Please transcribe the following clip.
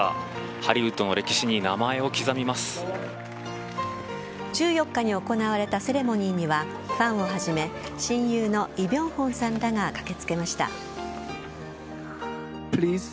ハリウッドの歴史に１４日に行われたセレモニーにはファンをはじめ親友のイ・ビョンホンさんらが加奈！